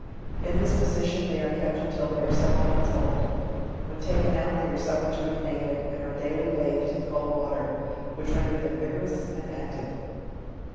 In this position they are kept until they are several months old. When token out they are suffered to go naked, and are daily bathed in cold water, which render them vigorous and active.